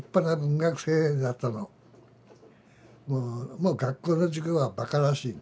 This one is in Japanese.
もう学校の授業はバカらしい。